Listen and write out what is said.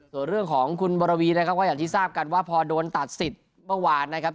ส่วนเรื่องของคุณบรวีนะครับก็อย่างที่ทราบกันว่าพอโดนตัดสิทธิ์เมื่อวานนะครับ